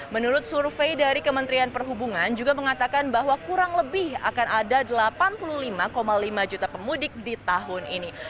menurut survei dari kementerian perhubungan juga mengatakan bahwa kurang lebih akan ada delapan puluh lima lima juta pemudik di tahun ini